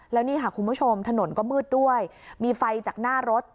แล้วนี่ค่ะคุณผู้ชมถนนก็มืดด้วยมีไฟจากหน้ารถ